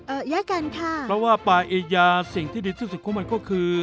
แยกกันค่ะเพราะว่าปลาเอยาสิ่งที่ดีที่สุดของมันก็คือ